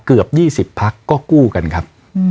เกือบ๒๐พักก็กู้กันครับ